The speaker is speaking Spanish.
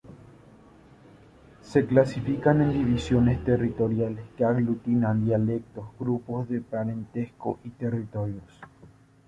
Se clasifican en divisiones territoriales que aglutinan dialectos, grupos de parentesco y territorios.